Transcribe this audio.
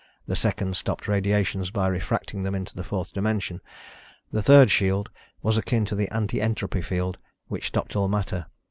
The second stopped radiations by refracting them into the fourth dimension. The third shield was akin to the anti entropy field, which stopped all matter